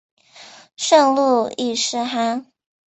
圣路易士哈！